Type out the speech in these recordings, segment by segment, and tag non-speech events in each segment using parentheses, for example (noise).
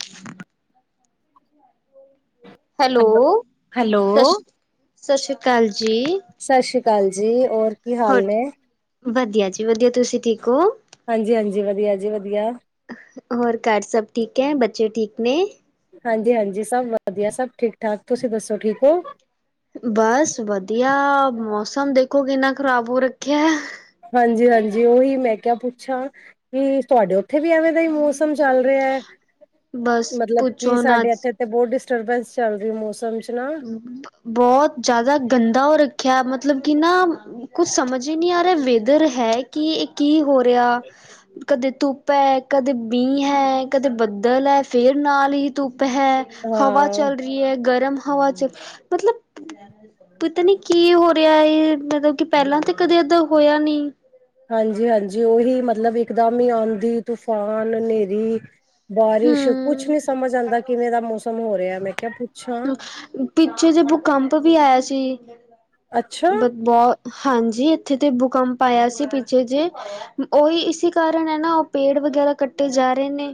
(inaudible) Hello hello ਸ਼ ਸਤਿ ਸ਼੍ਰੀ ਅਕਾਲ ਜੀ। ਸਤਿ ਸ਼੍ਰੀ ਅਕਾਲ ਜੀ ਔਰ ਕੀ ਹਾਲ ਅਛ ਨੇ ਵਧੀਆ ਜੀ ਵਧੀਆ ਤੁਸੀਂ ਠੀਕ ਹੋ। ਹਾਂਜੀ-ਹਾਂਜੀ ਵਧੀਆ ਜੀ ਵਧੀਆ। ਹੋਰ ਘਰ ਸਭ ਠੀਕ ਹੈ ਬੱਚੇ ਠੀਕ ਨੇ। ਹਾਂਜੀ-ਹਾਂਜੀ ਸਭ ਵਧੀਆ ਸਭ ਠੀਕ ਠਾਕ ਤੁਸੀਂ ਦੱਸੋ ਠੀਕ ਹੋ। ਬੱਸ ਵਧੀਆ ਮੌਸਮ ਦੇਖੋ ਕਿੰਨਾ ਖ਼ਰਾਬ ਹੋ ਰੱਖਿਆ। ਹਾਂਜੀ-ਹਾਂਜੀ ਉਹੀ ਮੈਂ ਕਿਹਾ ਪੁੱਛਾਂ ਕੀ ਤੁਹਾਡੇ ਉਥੇ ਵੀ ਐਵੇਂ ਦਾ ਹੀ ਮੌਸਂਮ ਚੱਲ ਰਿਹਾ। ਬਸ ਮਤਲਬ ਕਿ ਪੁੱਛੋ ਨਾ ਸਾਡੇ ਇੱਥੇ ਤੇ ਬਹੁਤ ਡਿਸਟਰਬੈਂਸ ਚੱਲ ਰਹੀ ਮੌਸਮ 'ਚ ਨਾ। ਬਹੁਤ ਜ਼ਿਆਦਾ ਗੰਦਾ ਉਹ ਰੱਖਿਆ ਮਤਲੱਬ ਕਿ ਨਾ ਕੁੱਛ ਸਮਂਝ ਈ ਨਹੀਂ ਆ ਰਿਹਾ ਵੇਦਰ ਹੈ ਕਿ ਇਹ ਕੀ ਹੋ ਰਿਹਾ ਕਦੇ ਧੁੱਪ ਧੁੱਪ ਐ ਕਦੇ ਮੀਂਹ ਹੈ ਕਦੇ ਬੱਦਲ ਹੈ ਫਿਰ ਨਾਲ ਹੀ ਧੁੱਪ ਐ ਹਵਾ ਹਾਂ ਚੱਲ ਰਹੀ ਐ ਗਰਮ ਹਵਾ ਚ ਮਤਲੱਬ ਪਤਾ ਨੀ ਕੀ ਹੋ ਰਿਹਾ ਇਹ ਮਤਲੱਬ ਕਿ ਪਹਿਲਾਂ ਤਾਂ ਕਦੇ ਏਦਾਂ ਹੋਇਆ ਨਹੀਂ ਹਾਂਜੀ ਹਾਂਜੀ ਉਹੀ ਮਤਲੱਬ ਇੱਕਦਮ ਹੀ ਆਂਧੀ ਤੂਫ਼ਾਨ ਹਨੇਰੀ ਬਾਰਿਸ਼ ਕੁੱਛ ਹਮ ਨੀ ਸਮਂਝ ਆਉਂਦਾ ਕਿਵੇਂ ਦਾ ਮੌਸਮ ਹੋ ਰਿਹਾ ਮੈਂ ਕਿਹਾ ਪੁੱਛਾਂ ਪਿੱਛੇ ਜੇ ਭੂਕੰਪ ਵੀ ਆਇਆ ਸੀ ਅੱਛਾ ਬਹੁੱਤ ਹਾਂਜੀ ਇੱਥੇ ਤੇ ਭੂਕੰਪ ਆਇਆ ਸੀ ਪਿੱਛੇ ਜੇ ਉਹੀ ਇਸ ਕਾਰਨ ਹੈ ਨਾ ਪੇੜ ਵਗੈਰਾ ਕੱਟੇ ਜਾ ਰਹੇ ਨੇ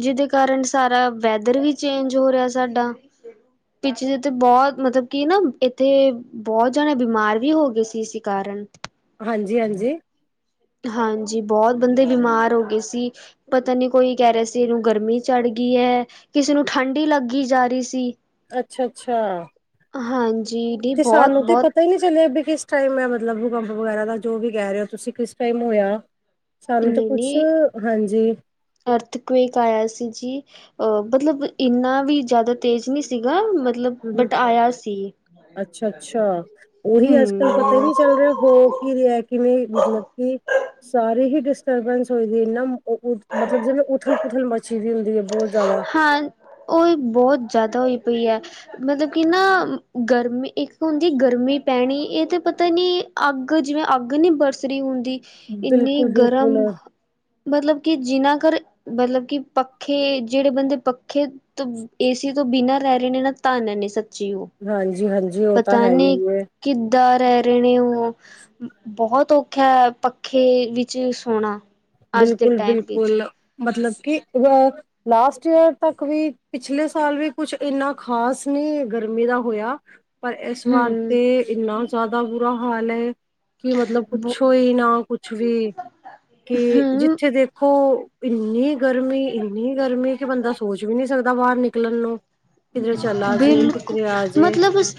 ਜਿਹਦੇ ਕਾਰਨ ਸਾਰਾ ਵੈਦਰ ਵੀ ਚੇਂਜ ਹੋ ਰਿਹਾ ਸਾਡਾ ਪਿੱਛੇ ਜਿ ਤੇ ਬਹੁੱਤ ਮਤਲੱਬ ਕੀ ਨਾ ਇੱਥੇ ਬਹੁੱਤ ਜਣੇ ਬਿਮਾਰ ਵੀ ਹੋ ਗਏ ਸੀ ਇਸ ਕਾਰਨ ਹਾਂਜੀ ਹਾਂਜੀ ਹਾਂਜੀ ਬਹੁਤ ਬੰਦੇ ਬਿਮਾਰ ਹੋ ਗਏ ਸੀ ਪਤਾ ਨੀ ਕੋਈ ਕਹਿ ਰਿਹਾ ਸੀ ਇਹਨੂੰ ਗਰਮੀ ਚੜ ਗਈ ਐ ਕਿਸੇ ਨੂੰ ਠੰਡੀ ਲੱਗੀ ਜਾ ਰਹੀ ਸੀ ਅੱਛਾ ਅੱਛਾ ਹਾਂਜੀ ਨਹੀਂ ਤੇ ਬਹੁਤ ਸਾਨੂੰ ਤੇ ਬਹੁਤ ਪਤਾ ਹੀ ਨਹੀਂ ਚੱਲਿਆ ਵੀ ਕਿਸ ਟਮ ਮ ਮਤਲਬ ਭੂਕੰਪ ਵਗੈਰਾ ਦਾ ਜੋ ਵੀ ਕਹਿ ਰਹੇ ਹੋ ਤੁਸੀਂ ਕਿਸ ਟਾਈਮ ਹੋਇਆ ਸਾਨੂੰ ਤਾਂ ਕੁਛ ਹਾਂਜੀ ਅਰਥਕਵਕ ਆਇਆ ਸੀ ਜੀ ਅਹ ਮਤਲਬ ਇੰਨਾ ਵੀ ਜ਼ਿਆਦਾ ਤੇਜ਼ ਨਹੀਂ ਸੀਗਾ ਮਤਲੱਬ ਹਮ ਹਮ ਬੱਟ ਆਇਆ ਸੀ ਅੱਛਾ ਅੱਛਾ ਉਹੀ ਅੱਜ ਹੂੰ ਕੱਲ ਪਤਾ ਈ ਨਹੀਂ ਚੱਲ ਰਿਹਾ ਹੋ ਕੀ ਰਿਹਾ ਕਿਵੇਂ ਮਤਲੱਬ ਕਿ ਸਾਰੀ ਹੀ ਡਿਸਟਰਬੈਂਸ ਹੋਈ ਦੀ ਨਾ ਮਤਲੱਬ ਜਿਵੇਂ ਉਥਲ ਪੁਥਲ ਮਚੀ ਹੁੰਦੀ ਹੈ ਬਹੁਤ ਜ਼ਿਆਦਾ ਹਾਂ ਉਹ ਬਹੁਤ ਜ਼ਿਆਦਾ ਹੋਈ ਪਈ ਐ ਮਤਲੱਬ ਕਿ ਨਾ ਗਰਮੀਂ ਇੱਕ ਗੰਦੀ ਗਰਮੀ ਪੈਣੀ ਇਹ ਤੇ ਪਤਾ ਨੀ ਅੱਗ ਜਿਵੇਂ ਅੱਗ ਨੀ ਬਰਸ ਰਹੀ ਹੁੰਦੀ ਇੰਨੀ ਬਿਲਕੁਲ ਗਰਮ ਬਿਲਕੁਲ ਮਤਲੱਬ ਕਿ ਜਿਨਾ ਘਰ ਮਤਲੱਬ ਕੀ ਪੱਖੇ ਜਿਹੜੇ ਬੰਦੇ ਪੱਖੇ ਤੋਂ ਏਸੀ ਤੋਂ ਬਿਨਾਂ ਰਹਿ ਰਹੇ ਨੇ ਨਾ ਧਨ ਨੇ ਸੱਚੀ ਉਹ ਹਾਂਜੀ ਹਾਂਜੀ ਉਹ ਤਾਂ ਪਤਾ ਹੈ ਈ ਨੀ ਏ ਕਿੱਦਾਂ ਰਹਿ ਰਹੇ ਨੇ ਉਹ ਬਹੁੱਤ ਔਖਾ ਪੱਖੇ ਵਿੱਚ ਸੋਣਾ ਅੱਜ ਦੇ ਬਿਲਕੁੱਲ ਟਾਈਮ ਵਿੱਚ ਬਿਲਕੁੱਲ ਮਤਲੱਬ ਕੀ ਉਹ ਲਾਸਟ ਈਅਰ ਤੱਕ ਵੀ ਪਿਛਲੇ ਸਾਲ ਵੀ ਕੁੱਛ ਇੰਨਾ ਖ਼ਾਸ ਨਹੀਂ ਗਰਮੀਂ ਦਾ ਹੋਇਆ ਪਰ ਇਸ ਹੂੰ ਵਾਰ ਤੇ ਇੰਨਾ ਜ਼ਿਆਦਾ ਬੁਰਾ ਹਾਲ ਐ ਕਿ ਮਤਲਬ ਪੁਛੋ ਈ ਨਾ ਕੁਛ ਵੀ ਕਿ ਹੂੰ ਜਿੱਥੇ ਦੇਖੋ ਇੰਨੀ ਗਰਮੀ ਇੰਨੀ ਗਰਮੀ ਕਿ ਬੰਦਾ ਸੋਚ ਵੀ ਨਹੀਂ ਸਕਦਾ ਦਾ ਬਾਹਰ ਨਿਕਲਣ ਨੂੰ ਕਿਧਰੇ ਚਲਾ ਜੇ ਬਿਲਕੁਲ ਕਿਧਰੇ ਆ ਜੇ ਮਤਲਬ ਉਸ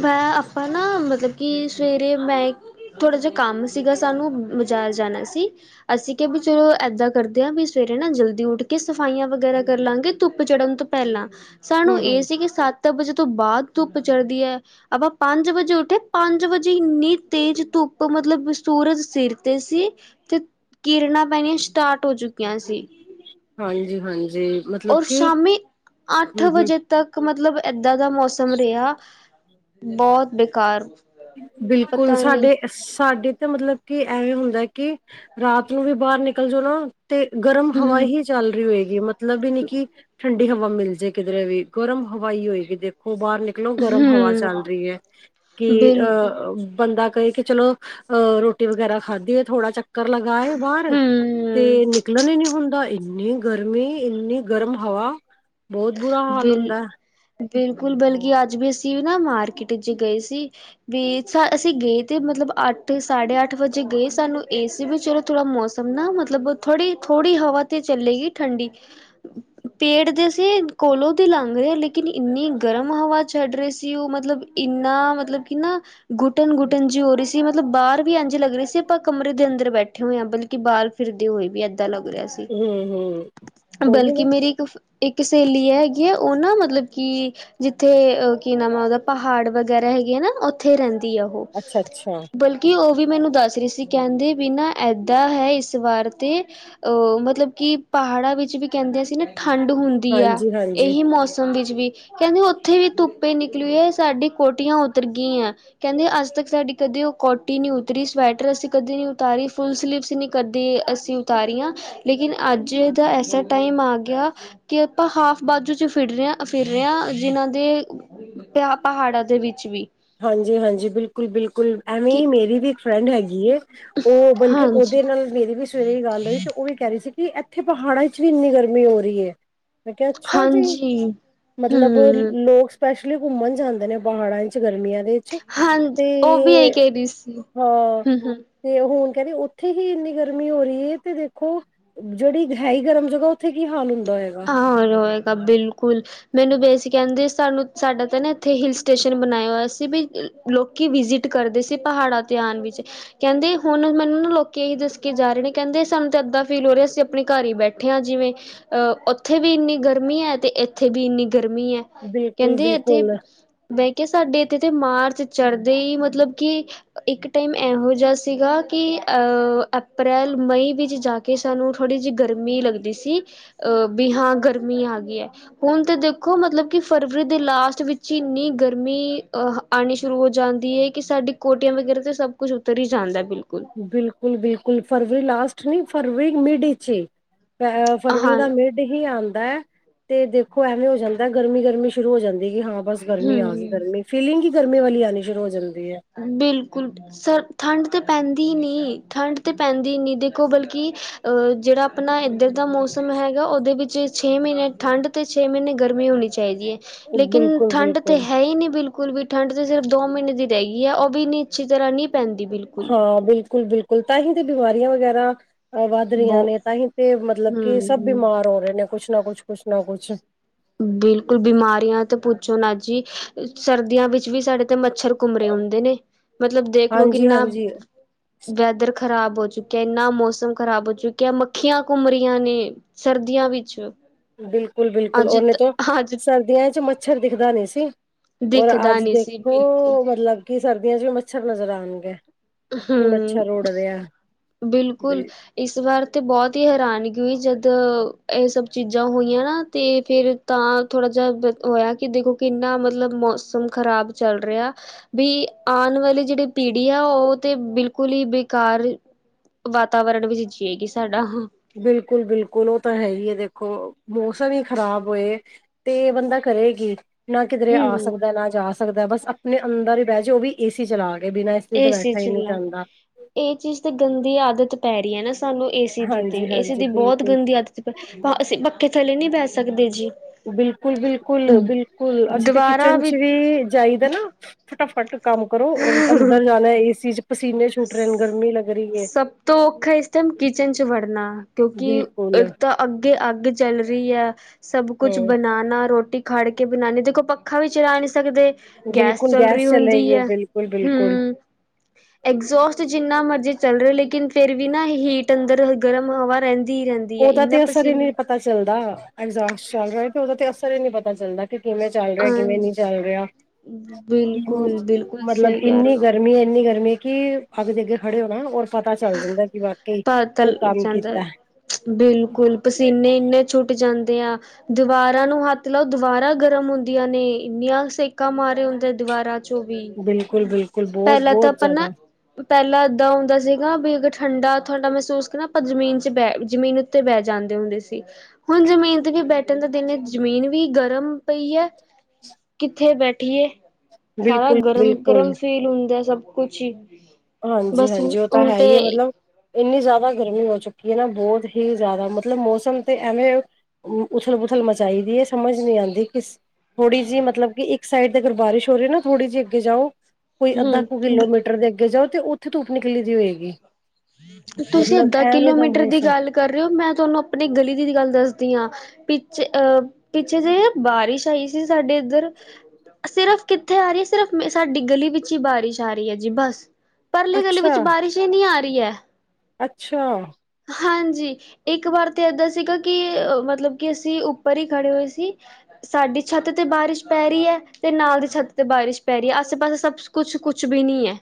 ਮੈਂ ਆਪਾਂ ਨਾ ਮਤਲਬ ਕਿ ਸਵੇਰੇ ਮੈਂ ਥੋੜਾ ਜਿਹਾ ਕੰਮ ਸੀਗਾ ਸਾਨੂੰ ਬਜ਼ਾਰ ਜਾਣਾ ਸੀ ਅਸੀਂ ਕਿਹਾ ਵੀ ਚਲੋ ਇਏਦਾਂ ਕਰਦੇ ਹਾਂ ਵੀ ਸਵੇਰੇ ਨਾ ਜਲਦੀ ਉੱਠ ਕੇ ਸਫਾਈਆਂ ਵਗੈਰਾ ਕਰ ਲਾਂਗੇ ਧੁੱਪ ਚੜਨ ਤੋਂ ਪਹਿਲਾਂ ਸਾਨੂੰ ਇਹ ਹੂੰ-ਹੂੰ ਸੀ ਕਿ ਸੱਤ ਵਜੇ ਤੋਂ ਬਾਅਦ ਧੁੱਪ ਚੜ੍ਹਦੀ ਐ ਆਪਾਂ ਪੰਜ ਵਜੇ ਉੱਠੇ ਪੰਜ ਵਜੇ ਇੰਨੀ ਤੇਜ਼ ਧੁੱਪ ਮਤਲਬ ਸੂਰਜ ਸਿਰ ਤੇ ਸੀ ਤੇ ਕਿਰਨਾਂ ਪੈਣੀਆਂ ਸਟਾਰਟ ਹੋ ਚੁੱਕੀਆਂ ਸੀ ਹਾਂਜੀ ਹਾਂਜੀ ਔਰ ਸ਼ਾਮੀ ਅੱਠ ਵਜੇ ਤੱਕ ਮਤਲਬ ਏਦਾਂ ਦਾ ਮੌਸਮ ਰਿਹਾ ਬਹੁਤ ਬੇਕਾਰ ਬਿਲਕੁਲ ਪਤਾ ਨੀ ਸਾਡੇ ਸਾਡੇ ਤਾਂ ਮਤਲਬ ਕਿ ਐਵੇਂ ਹੁੰਦਾ ਹੈ ਕਿ ਰਾਤ ਨੂੰ ਵੀ ਬਾਹਰ ਨਿਕਲ ਜਾਓ ਨਾ ਤੇ ਗਰਮ ਹਵਾ ਹੂੰ ਹੀ ਚੱਲ ਰਹੀ ਹੋਏਗੀ ਮਤਲਬ ਵੀ ਨੀ ਕਿ ਠੰਡੀ ਹਵਾ ਮਿਲ ਜੇ ਕਿਧਰੇ ਵੀ ਗਰਮ ਹਵਾਈ ਹੋਏਗੀ ਦੇਖੋ ਬਾਹਰ ਨਿਕਲ ਇਕਲੋ ਗਰਮ ਹਵਾ ਹੂੰ ਚੱਲ ਰਹੀ ਹੈ ਕਿ ਬਿਲਕੁਲ ਅ ਬੰਦਾ ਕਹੇ ਕਿ ਚਲੋ ਅਹ ਰੋਟੀ ਵਗੈਰਾ ਖਾਧੀ ਹੈ ਥੋੜਾ ਚੱਕ ਚੱਕਰ ਲਗਾਏ ਬਾਹਰ ਤੇ ਹੂੰ ਨਿਕਲਣ ਹੀ ਨੀ ਹੁੰਦਾ ਇੰਨੀ ਗਰਮੀ ਇੰਨੀ ਗਰਮ ਹਵਾ ਬਹੁਤ ਬੁਰਾ ਹਾਲ ਬਿਲ ਹੁੰਦਾ ਬਿਲਕੁਲ ਬਲਕਿ ਅੱਜ ਵੀ ਅਸੀਂ ਵੀ ਨਾ ਮਾਰਕੀਟ ਚ ਗਏ ਸੀ ਵੀ ਅਸੀਂ ਗਏ ਤੇ ਮਤਲਬ ਅੱਠ ਸਾਢੇ ਅੱਠ ਵਜੇ ਗਏ ਸਾਨੂੰ ਏ ਸੀ ਵੀ ਚਲੋ ਥੋੜਾ ਮੌਸਮ ਨਾ ਮਤਲਬ ਥੋੜੀ ਥੋੜੀ ਹਵਾ ਤੇ ਚੱਲੇਗੀ ਠੰਡੀ ਪੇੜ ਦੇ ਕੋਲੋਂ ਦੀ ਲੰਘ ਰਹੇ ਆ ਲੇਕਿਨ ਇੰਨੀ ਗਰਮ ਹਵਾ ਛੱਡ ਰਹੇ ਸੀ ਉਹ ਮਤਲਬ ਇੰਨਾ ਮਤਲਬ ਕਿ ਨਾ ਗੁਟਨ ਗੁਟਨ ਜਿ ਹੋ ਰਹੀ ਸੀ ਮਤਲਬ ਬਾਹਰ ਵੀ ਇੰਝ ਲੱਗ ਰਹੀ ਸੀ ਆਪਾਂ ਕਮਰੇ ਦੇ ਅੰਦਰ ਬੈਠੇ ਹੋਏ ਹਾਂ ਬਲਕਿ ਬਾਹਰ ਫਿਰਦੇ ਹੋਏ ਵੀ ਏਦਾਂ ਲੱਗ ਰਿਹਾ ਸੀ ਹਮ ਹਮ ਉਹੀ ਬਲਕਿ ਨਾ ਮੇਰੀ ਇੱਕ ਇੱਕ ਸਹੇਲੀ ਹੈਗੀ ਉਹ ਨਾ ਮਤਲਬ ਕਿ ਜਿੱਥੇ ਕੀ ਨਾਮਾਂ ਉਹਦਾ ਪਹਾੜ ਵਗੈਰਾ ਹੈਗੇ ਆ ਨਾਥੇ ਉੱਥੇ ਰਹਿੰਦੀ ਆ ਉਹ ਅੱਛਾ ਅੱਛਾ ਬਲਕਿ ਕਿ ਉਹ ਵੀ ਮੈਨੂੰ ਦੱਸ ਰਹੀ ਸੀ ਕਹਿੰਦੇ ਬਿਨਾਂ ਇੱਦਾਂ ਹੈ ਇਸ ਵਾਰ ਤਾਂ ਅਹ ਮਤਲਬ ਕਿ ਪਹਾੜਾਂ ਵਿੱਚ ਵੀ ਕਹਿੰਦੇ ਸੀ ਨਾ ਠੰਡ ਹੁੰਦੀ ਹੈ। ਹਾਂਜੀ ਹਾਂਜੀ ਇਹੀ ਮੌਸਮ ਵਿੱਚ ਵੀ ਕਹਿੰਦੀ ਉੱਥੇ ਵੀ ਧੁੱਪੇ ਨਿਕਲੀ ਹੈ ਸਾਡੀ ਕੋਟੀਆਂ ਉਤਰ ਗਈ ਆ ਕਹਿੰਦੇ ਅੱਜ ਤੱਕ ਸਾਡੀ ਕਦੇ ਉਹ ਕੋਟੀ ਨੀ ਉਤਰੀ ਸਵੈਟਰ ਅਸੀਂ ਕਦੇ ਨੀ ਉਤਾਰੀ ਫੁੱਲ ਸਲੀਵਸ ਨੀ ਕਦੇ ਅਸੀਂ ਉਤਾਰੀ ਹਾਂ ਲੇਕਿਨ ਅੱਜ ਦਾ ਐਸਾ ਟਾਈਮ ਆ ਗਿਆ ਕਿ ਆਪਾਂ ਹਾਫ ਬਾਜੂ ਚ ਫਿਰ ਰ ਹ ਫਿਰ ਰਹੇ ਹਾਂ ਜਿਨਾਂ ਦੇ ਪ ਪਹਾੜਾਂ ਦੇ ਵਿੱਚ ਵੀ ਹਾਂਜੀ ਹਾਂਜੀ ਬਿਲਕੁਲ ਬਿਲਕੁਲ ਐਵੇਂ ਕਿ ਹੀ ਮੇਰੀ ਵੀ ਇੱਕ ਫਰੈਂਡ ਹੈਗੀ ਉਹ ਬਲਕਿ ਹਾਂਜੀ ਉਹਦੇ ਨਾਲ ਮੇਰੀ ਵੀ ਸਵੇਰੇ ਹੀ ਗੱਲ ਰਹੀ ਤੇ ਉਹ ਵੀ ਕਹਿ ਰਹੀ ਸੀ ਕਿ ਇੱਥੇ ਪਹਾੜਾਂ ਚ ਵੀ ਇੰਨੀ ਗਰਮੀ ਹੋ ਰਹੀ ਹੈ ਮੈਂ ਕਿਹਾ ਅੱਛਾ ਜੀ ਹਾਂਜੀ ਮਤਲਬ ਹੂੰ ਲੋਕ ਸਪੈਸ਼ਲੀ ਘੁੰਮਣ ਜਾਂਦੇ ਨੇ ਪਹਾੜਾਂ ਚ ਗਰਮੀਆਂ ਦੇ ਹਾਂ ਉਹ ਵੀ ਇਹੀ ਤੇ ਕਹਿ ਰਹੀ ਸੀ ਹਾਂ ਹੂੰ ਹੂੰ ਤੇ ਹੁਣ ਕਹਿੰਦੇ ਉੱਥੇ ਹੀ ਇੰਨੀ ਗਰਮੀ ਹੋ ਰਹੀ ਹੈ ਤੇ ਦੇਖੋ ਜਿਹੜੀ ਹੈ ਹੀ ਗਰਮ ਜਗ੍ਹਾ ਉੱਥੇ ਕੀ ਹਾਲ ਹੁੰਦਾ ਹੈਗਾ ਹਰ ਰਏਗਾ ਬਿਲਕੁਲ ਮੈਨੂੰ ਬਸ ਕਹਿੰਦੇ ਸਾਨੂੰ ਸਾਡਾ ਤਾਂ ਨਾ ਇੱਥੇ ਹਿਲ ਸਟੇਸ਼ਨ ਬਣਾਇਆ ਹੋਇਆ ਸੀ ਬ ਲੋਕੀ ਵਿਜਿਟ ਕਰਦੇ ਸੀ ਪਹਾੜਾਂ ਤੇ ਆਉਣ ਵਿੱਚ ਕਹਿੰਦੇ ਹੁਣ ਮੈਨੂੰ ਨਾ ਲੋਕ ਇਹੀ ਦੱਸ ਕੇ ਜਾ ਰਹੇ ਨੇ ਕਹਿੰਦੇ ਸਾਨੂੰ ਤਾਂ ਇੱਦਾਂ ਫੀਲ ਹੋ ਰਿਹਾ ਅਸੀਂ ਆਪਣੇ ਘਰ ਹੀ ਬੈਠੇ ਹਾਂ ਜਿਵੇਂ ਅ ਉੱਥੇ ਵੀ ਇੰਨੀ ਗਰਮੀ ਹੈ ਤੇ ਇੱਥੇ ਵੀ ਇੰਨੀ ਗਰਮੀ ਹੈ ਕਹਿੰਦੇ ਇੱਥੇ ਬਿਲਕੁਲ-ਬਿਲਕੁਲ, ਵੈਂ ਕਿਹਾਿਆ ਸਾਡੇ ਇੱਥੇ ਤੇ ਮਾਰਚ ਚੜ੍ਹਦੇ ਹੀ ਮਤਲਬ ਕਿ ਇੱਕ ਟਾਈਮ ਇਹੋ ਜਿਹਾ ਸੀਗਾ ਕਿ ਅ ਅਪ੍ਰੈਲ ਮਈ ਵਿੱਚ ਜਾ ਕੇ ਕਿ ਸਾਨੂੰ ਥੋੜ੍ਹੀ ਜਿਹੀ ਗਰਮੀ ਲੱਗਦੀ ਸੀ ਵੀ ਹਾਂ ਗਰਮੀ ਆ ਗਈ ਹੈ ਹੁਣ ਤੇ ਦੇਖੋ ਮਤਲਬ ਕਿ ਫਰਵਰੀ ਦੇ ਲਾਸਟ ਵਿੱਚ ਹੀ ਇੰਨੀ ਗਰਮੀ ਅ ਆਉਣੀ ਸ਼ੁਰੂ ਹੋ ਜਾਂਦੀ ਹੈ ਕਿ ਸਾਡੀ ਕੋਟੀਆਂ ਵਗੈਰਾ ਤੇ ਸਭ ਕੁਝ ਉਤਰ ਹੀ ਜਾਂਦਾ ਬਿਲਕੁਲ ਬਿਲਕੁਲ ਬਿਲਕੁਲ ਫਰਵਰੀ ਲਾਸਟ ਨੀ ਫਰਵਰੀ ਮਿਡ ਵਿੱਚ ਹੀ ਫਰਵਰੀ ਹਾਂ ਦਾ ਮਿਡ ਹੀ ਆਉਂਦਾ ਹੈ ਤੇ ਦੇਖੋ ਐਵੇਂ ਹੋ ਜਾਂਦਾ ਗਰਮੀ ਗਰਮੀ ਸ਼ੁਰੂ ਹੋ ਜਾਂਦੀ ਹਾਂ ਬਸ ਗਰਮੀ ਆ ਗਈ ਹਮ ਗਰਮੀ ਫੀਲਿੰਗ ਹੀ ਗਰਮੀ ਵਾਲੀ ਆਉਣੀ ਸ਼ੁਰੂ ਹੋ ਜਾਂਦੀ ਹੈ। ਬਿਲਕੁਲ। ਸਰ ਠੰਡ ਤਾਂ ਪੈਂਦੀ ਨਹੀਂ ਠੰਡ ਤਾਂ ਪੈਂਦੀ ਨਹੀਂ ਦੇਖੋ ਬਲਕਿ ਜਿਹੜਾ ਆਪਣਾ ਇੱਧਰ ਦਾ ਮੌਸਮ ਹੈਗਾ ਉਹਦੇ ਵਿੱਚ ਛੇ ਮਹੀਨੇ ਠੰਢ ਤੇ ਛੇ ਮਹੀਨੇ ਗਰਮੀ ਹੋਣੀ ਚਾਹੀਦੀ ਏ। ਲੇਕਿਨ ਬਿਲਕੁਲ ਠੰਡ ਤਾਂ ਬਿਲਕੁਲ ਹੈ ਹੀ ਨਹੀਂ ਬਿਲਕੁਲ ਬਿਲਕੁਲ ਵੀ ਠੰਡ ਤੇ ਸਿਰਫ ਦੋ ਮਹੀਨੇ ਦੀ ਰਹਿ ਗਈਏ ਉਹ ਵੀ ਇੰਨੀ ਅੱਛੀ ਤਰ੍ਹਾਂ ਨੀ ਹਾਂ ਬਿਲਕੁਲ ਬਿਲਕੁਲ ਤਾਂ ਹੀ ਤੇ ਬੀਮਾਰੀਆਂ ਵਗੈਰਾ ਵੱਧ ਰਹੀਆਂ ਬਹੁ ਨੇ ਤਾਂਹੀ ਤੇ ਮਤਲਬ ਕਿ ਸਭ ਹਮ ਬੀਮਾਰ ਹੋ ਰਹੇ ਨੇ ਕੁਛ ਨਾ ਕੁਛ ਕੁਛ ਨਾ ਕੁਛ। ਬਿਲਕੁਲ ਬੀਮਾਰੀਆਂ ਤੇ ਪੁੱਛੋ ਨਾ ਜੀ ਸਰਦੀਆਂ ਵਿੱਚ ਵੀ ਸਾਡੇ ਤੇ ਮੱਛਰ ਘੁੰਮਰੇ ਹੁੰਦੇ ਨੇ ਮਤਲਬ ਦੇਖ ਲਓ ਹਾਂਜੀ ਕਿੰਨਾ ਹਾਂਜੀ ਵੈਦਰ ਖ਼ਰਾਬ ਹੋ ਚੁੱਕਿਆ ਇੰਨਾ ਮੌਸਮ ਖ਼ਰਾਬ ਹੋ ਚੁੱਕਿਆ। ਮੱਖੀਆਂ ਘੁੰਮ ਰਹੀਆਂ ਨੇ। ਸਰਦੀਆਂ ਵਿੱਚ ਬਿਲਕੁਲ ਬਿਲਕੁਲ ਅੱਜ ਓਨੇ ਤਾਂ ਅੱਜ ਸਰਦੀਆਂ ਚ ਮੱਛਰ ਦਿਖਦਾ ਨਹੀਂ ਸੀ। ਔਰ ਦਿਖਦਾ ਅੱਜ ਨਹੀਂ ਸੀ ਦੇਖੋ ਬਿਲਕੁਲ ਮਤਲਬ ਕਿ ਸਰਦੀਆਂ ਚ ਵੀ ਮੱਛਰ ਨਜ਼ਰ ਆਉਣਗੇ। ਕਿ ਹਮ ਮੱਛਰ ਉੜ ਰਿਹਾ ਬਿਲ ਬਿਲਕੁਲ। ਇਸ ਵਾਰ ਤੇ ਬਹੁਤ ਹੀ ਹੈਰਾਨਗੀ ਹੋਈ ਜਦ ਇਹ ਸਭ ਚੀਜ਼ਾਂ ਹੋਈਆਂ ਨਾ ਤੇ ਫਿਰ ਤਾਂ ਥੋੜਾ ਜਿਹਾ ਬਹੁਤ ਹੋਇਆ ਕਿ ਦੇਖੋ ਕਿੰਨਾ ਮਤਲਬ ਮੌਸਮ ਖਰਾਬ ਚੱਲ ਰਿਹਾ। ਬਈ ਆਨ ਵਾਲੀ ਜਿਹੜੀ ਪੀੜ੍ਹੀ ਏ ਉਹ ਤੇ ਬਿਲਕੁਲ ਹੀ ਬੇਕਾਰ ਵਾਤਾਵਰਨ ਵਿੱਚ ਜੀਏਗੀ ਸਾਡਾ ਹਾਂ। ਬਿਲਕੁਲ ਬਿਲਕੁਲ ਉਹ ਤਾ ਹੈ ਹੀ ਹੈ ਦੇਖੋ ਮੌਸਮ ਹੀ ਖਰਾਬ ਹੋਏ। ਤੇ ਬੰਦਾ ਕਰੇ ਕੀ? ਨਾ ਕਿਧਰੇ ਆ ਹਮ ਸਕਦਾ ਏ ਨਾ ਜਾ ਸਕਦਾ ਏ ਬਸ ਅਪਨੇ ਅੰਦਰ ਹੀ ਬਹਿ ਜੋ ਉਹ ਵੀ ਏ ਸੀ ਚਲਾ ਕੇ ਬਿਨਾ ਏ ਸੀ ਚ ਨਾ ਇਹ ਚੀਜ ਤੇ ਗੰਦੀ ਆਦਤ ਪੈ ਰਹੀ ਹੈ ਨਾ ਸਾਨੂੰ। ਏ ਸੀ ਦੀ ਤੇ, ਹਾਂਜੀ ਏਸੀ ਹਾਂਜੀ ਦੀ ਬਹੁਤ ਬਿਲਕੁਲ ਗੰਦੀ ਆਦਤ ਪਈ ਓਹ ਅਸੀ ਬੱਖੇ ਥੱਲੇ ਨਹੀਂ ਬੈ ਸਕਦੇ ਜੀ। ਬਿਲਕੁਲ ਬਿਲਕੁਲ ਬਿਲਕੁਲ ਅਸੀ ਤੇ ਦੀਵਾਰਾਂ ਕਿਚਨ ਚ ਵਿੱਚ ਵੀ ਜਾਈਦਾ ਏ ਨਾ। ਫਟਾਫਟ ਕੰਮ ਕਰੋ ਅੰਦਰ ਜਾਣਾ ਏ ਚ ਪਸੀਨੇ ਛੂਟ ਰਹੇ ਨੇ, ਗਰਮੀ ਲੱਗ ਰਹੀ ਹੈ ਸਭ ਤੋਂ ਔਖਾ ਇਸ ਟਾਈਮ ਕਿਚਨ ਚ ਵੜਨਾ ਕਿਉਂਕਿ ਬਿਲਕੁਲ ਇੱਕ ਤਾਂ ਅੱਗੇ ਅੱਗ ਚੱਲ ਰਹੀ ਹੈ ਸਭ ਕੁਛ ਹਾਂ ਬਣਾਉਣਾ ਰੋਟੀ ਖੜ ਕੇ ਬਣਾਉਦੇ ਦੇਖੋ ਪੱਖਾ ਵੀ ਚਰਾ ਨਹੀਂ ਸਕਦੇ। ਗੈਸ ਬਿਲਕੁਲ ਚੱਲ ਰਹੀ ਚਲੇ ਹੁੰਦੀ ਗਈ ਹੈ ਬਿਲਕੁਲ ਬਿਲਕੁਲ ਹਮ। ਐਗਜ਼ੋਸਟ ਜਿੰਨਾ ਮਰਜ਼ੀ ਚੱਲ ਰਿਹਾ ਲੇਕਿਨ ਫਿਰ ਵੀ ਨਾ ਹੀਟ ਅੰਦਰ ਗਰਮ ਹਵਾ ਰਹਿੰਦੀ ਹੀ ਰਹਿੰਦੀ ਹੈ। ਉਹਦਾ ਇੰਨਾ ਤੇ ਅਸਰ ਹੀ ਪਸੀਨ ਨਹੀਂ ਪਤਾ ਚੱਲਦਾ ਐਗਜਾਸਟ ਚੱਲ ਰਿਹਾ ਤੇ ਉਹਦਾ ਤੇ ਅਸਰ ਹੀ ਨਹੀਂ ਪਤਾ ਚੱਲਦਾ ਕਿ ਕਿਵੇਂ ਚੱਲ ਰਿਹਾ ਕਿਵੇਂ ਅਹ ਨੀ ਚੱਲ ਰਿਹਾ। ਕਿ ਬਿਲਕੁਲ ਬਿਲਕੁਲ ਮਤਲਬ ਸਹੀ ਕਹਿ ਇੰਨੀ ਰਹੇ ਹੋ ਗਰਮੀ ਇੰਨੀ ਗਰਮੀ ਕਿ ਅੱਗ ਦੇ ਅੱਗੇ ਖੜੇ ਹੋ ਨਾ ਓਦੋਂ ਪਤਾ ਚੱਲ ਜਾਂਦਾ ਕਿ ਵਾਕੇ ਪਤਾ ਕੋਈ ਲੱਗ ਕੰਮ ਜਾਂਦਾ ਕੀਤਾ। ਬਿਲਕੁਲ ਪਸੀਨੇ ਇੰਨੇ ਛੁੱਟ ਜਾਂਦੇ ਆ। ਦੀਵਾਰਾਂ ਨੂੰ ਹੱਥ ਲਓ ਦਵਾਰਾ ਗਰਮ ਹੁੰਦੀਆਂ ਨੇ ਇੰਨੀਆਂ ਸੇਕਾਂ ਮਾਰਿਆ ਹੁੰਦੇ ਦੀਵਾਰਾਂ ਚੋਂ ਵੀ। ਬਿਲਕੁ ਬਿਲਕਲ। ਪਹਿਲਾ ਤਾ ਅੱਪਾ ਨਾ ਪਹਿਲਾਂ ਇਹਦਾਂ ਹੁੰਦਾ ਸੀਗਾ ਵਈ ਅਗਰ ਠੰਡਾ ਥੁਹਾਡਾ ਮਹਿਸੂਸ ਕਰਨ ਆਪਾ ਜਮੀਨ ਚ ਬਹਿ ਜਮੀਨ ਤੇ ਬਹਿ ਜਾਂਦੇ ਹੁੰਦੇ ਸੀ। ਹੁਬ ਜਮੀਨ ਤੇ ਵੀ ਬੈਠਨ ਦਾ ਦਿਲ ਨਹੀਂ ਹੈ, ਜਮੀਨ ਵੀ ਗਰਮ ਪਈ ਹੈ। ਕਿੱਥੇ ਬੈਠੀਏ? ਸਾਰਾ ਬਿਲਕੁਲ ਬਿਲਕੁਲ ਗਰਮ-ਗਰਮ ਫੀਲ ਹੁੰਦਾ ਏ ਸਭ ਕੁਛ ਹੀ। ਬਸ ਹਾਂਜੀ-ਹਾਂਜੀ ਉਹ ਤਾ ਹੁਣ ਹੈ ਹੀ ਹੈ ਤੇ ਮਤਲਬ। ਇੰਨੀ ਜ਼ਿਆਦਾ ਗਰਮੀ ਹੋ ਚੁੱਕੀ ਹੈ ਨਾ ਬਹੁਤ ਹੀ ਜ਼ਿਆਦਾ ਮਤਲਬ ਮੌਸਮ ਤੇ ਐਵੇਂ ਉਮ ਉਥਲ ਬੁਥਲ ਮਚਾਈ ਦੀ ਹੈ, ਸਮਝ ਨਹੀਂ ਆਉਂਦੀ ਕਿਸ ਥੋੜੀ ਜਿਹੀ ਮਤਲਬ ਕਿ ਇੱਕ ਸਾਈਡ ਤੇ ਅਗਰ ਬਾਰਿਸ਼ ਹੋ ਰਹੀ ਨਾ ਥੋੜੀ ਜਿਹੀ ਅੱਗੇ ਜਾਓ ਕੋਈ ਅੱਧਾ ਹੂੰ, ਕੁ ਕਿਲੋਮੀਟਰ ਟਰ ਦੇ ਅੱਗੇ ਜਾਓ ਤੇ ਉੱਥੇ ਧੂੱਪ ਨਿਕਲੀ ਦੀ ਹੋਏਗੀ। ਤੁਸੀ ਮਤਲਬ ਅੱਧਾ ਐਵੇਂ ਦਾ ਕਿਲੋਮੀਟਰ ਦੀ ਮੌਸਮ ਗੱਲ ਕਰ ਰਹੇ ਹੋ ਮੈਂ ਤੁਹਾਨੂੰ ਆਪਨੀ ਗਲੀ ਦੀ ਗੱਲ ਦੱਸਦੀ ਹਾਂ। ਪਿੱਛੇ ਅਹ ਪਿੱਛੇ ਜਿਹੜੀ ਬਾਰਿਸ਼ ਆਈ ਸੀ ਸਾਡੇ ਇੱਧਰ। ਸਿਰਫ਼ ਕਿੱਥੇ ਆ ਰਹੀ ਹੈ? ਸਿਰਫ਼ ਸਾਡੀ ਗਲੀ ਵਿੱਚ ਹੀ ਬਾਰਿਸ਼ ਆ ਰਹੀ ਹੈ ਜੀ ਬਸ। ਪਰਲੀ ਗਲੀ ਅੱਛਾ ਵਿੱਚ ਬਾਰਿਸ਼ ਹੀ ਨੀ ਆ ਰਹੀ ਹੈ। ਅੱਛਾ। ਹਾਂਜੀ। ਇੱਕ ਵਾਰ ਤੇ ਏਦਾਂ ਸੀਗਾ, ਕਿ ਮਤਲਬ ਕਿ ਅਸੀਂ ਉੱਪਰ ਹੀ ਖੜੇ ਹੋਏ ਸੀ। ਸਾਡੀ ਛੱਤ ਤੇ ਬਾਰਿਸ਼ ਪੈ ਰਹੀ ਐ, ਤੇ ਨਾਲ ਦੀ ਛੱਤ ਤੇ ਬਾਰਿਸ਼ ਪੈ ਰਹੀ ਐ, ਆਸੇ- ਪਾਸੇ ਸਭ ਕੁਛ-ਕੁਛ ਵੀ ਨੀ ਐ,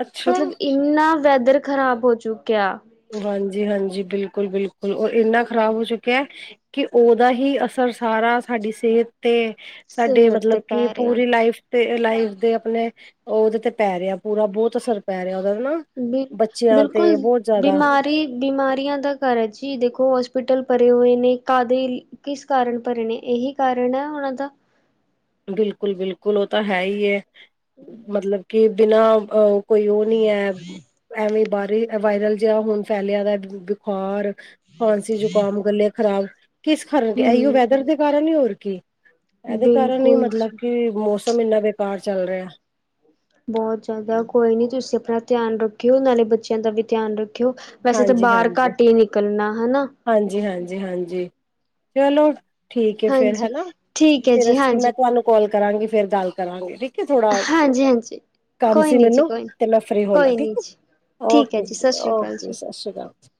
ਅੱਛਾ ਮਤਲਬ ਇੰਨਾ ਵੈਦਰ ਖਰਾਬ ਹੋ ਚੁੱਕਿਆ। ਹਾਂਜੀ-ਹਾਂਜੀ, ਬਿਲਕੁਲ-ਬਿਲਕੁਲ, ਅ ਇੰਨਾ ਖਰਾਬ ਹੋ ਚੁੱਕਿਆ ਕਿ ਉਹਦਾ ਹੀ ਅਸਰ ਸਾਰਾ ਸਾਡੀ ਸਿਹਤ ਤੇ ਸਾਡੇ ਸਿਹਤ ਤੇ ਮਤਲਬ ਕਿ ਪੈ ਰਿਹਾ ਪੂਰੀ ਲਾਈਫ ਤੇ ਇਹ ਲਾਈਫ ਦੇ ਆਪਣੇ, ਉਹਦੇ ਤੇ ਪੈ ਰਿਹਾ ਪੂਰਾ, ਬਹੁਤ ਅਸਰ ਪੈ ਰਿਹਾ ਹਨਾ। ਬਿਲ ਬਿਲਕੁਲ ਬਿਮਾ ਸਾਰੀ ਬਿਮਾਰੀਆਂ ਦਾ ਘਰ ਐ ਜੀ, ਦੇਖੋ ਹੋਸਪਿਟਲ ਭਰੇ ਹੋਏ ਨੇ, ਕਾਹਦੇ ਲ ਕਿਸ ਕਾਰਨ ਭਰੇ ਨੇ, ਇਹੀ ਕਾਰਨ ਹੈ ਉਹਨਾਂ ਦਾ। ਬਿਲਕੁਲ- ਬਿਲਕੁਲ ਉਹ ਤਾਂ ਹੈ ਈ ਐ, ਮਤਲਬ ਕਿ ਬਿਨਾਂ ਅਹ ਕੋਈ ਉਹ ਨੀ ਐ, ਐਵੇਂ ਵਾਇ ਵਾਇਰਲ ਜਿਹਾ ਹੁਣ ਫੈਲਿਆ ਆ, ਬੁ ਬੁਖਾਰ ਖਾਂਸੀ, ਜ਼ੁਕਾਮ, ਗਲੇ ਖ਼ਰਾਬ ਕਿਸ ਕਾਰਨ, ਇਹੀਓ ਹਮ ਵੈਦਰ ਦੇ ਕਾਰਨ ਹੀ, ਹੋਰ ਕੀ? ਬਿਲਕੁਲ ਜੀ। ਇਹ ਮੌਸਮ ਇੰਨਾ ਬੇਕਾਰ ਚੱਲ ਰਿਹਾ। ਬਹੁਤ ਜ਼ਿਆਦਾ, ਕੋਈ ਨੀ ਤੁਸੀਂ ਆਪਣਾ ਧਿਆਨ ਰੱਖਿਓ, ਨਾਲੇ ਬੱਚਿਆਂ ਦਾ ਵੀ ਧਿਆਨ ਰੱਖਿਓ। ਵੈਸੇ ਤਾਂ ਹਾਂਜੀ ਬਾਹਰ ਹਾਂਜੀ ਘੱਟ ਈ ਨਿਕਲਣਾ, ਹਨਾ। ਹਾਂਜੀ- ਹਾਂਜੀ- ਹਾਂਜੀ, ਚਲੋ ਠੀਕ ਏ ਫੇਰ ਹਾਂਜੀ ਹਨਾ, ਠੀਕ ਹੈ ਫੇਰ ਜੀ ਅਸੀਂ ਮੈਂ ਹਾਂਜੀ ਤੁਹਾਨੂੰ ਕੌਲ ਕਰਾਂਗੀ, ਫੇਰ ਗੱਲ ਕਰਾਂਗੇ, ਠੀਕ। ਕਿ ਥੋੜਾ ਹਾਂਜੀ ਹਾਂਜੀ ਕੰਮ ਕੋਈ ਸੀ ਨੀ ਜੀ ਮੈਨੂੰ, ਕੋਈ ਨੀ ਤੇ ਮੈਂ ਫਰੀ ਹੋ ਲਾਂ ਕੋਈ ਨੀ ਠੀਕ ਆ। ਜੀ ਠੀਕ ਹੈ ਓਕੇ ਜੀ, ਸਤਿ ਸ਼੍ਰੀ ਅਕਾਲ ਓਕੇ, ਜੀ ਸਸ਼ ਰੀ ਕਾਲ ਜੀ।